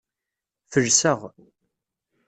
Felseɣ.